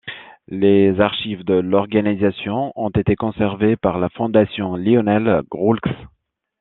Les archives de l'organisation ont été conservées par la Fondation Lionel-Groulx.